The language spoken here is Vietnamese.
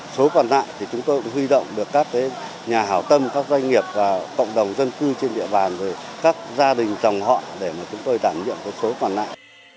số còn lại thì chúng tôi huy động được các nhà hảo tâm các doanh nghiệp và cộng đồng dân cư trên địa bàn các gia đình dòng họ để mà chúng tôi đảm nhiệm số còn lại